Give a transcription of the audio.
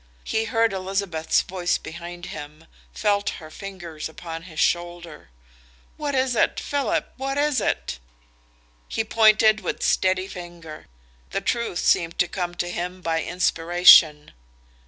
He heard Elizabeth's voice behind him, felt her fingers upon his shoulder. "What is it? Philip, what is it?" He pointed with steady finger. The truth seemed to come to him by inspiration.